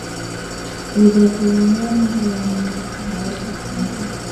Vibarua wangu wamerauka sana